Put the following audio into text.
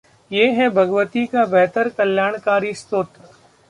ये है भगवती का बेहद कल्याणकारी स्तोत्र...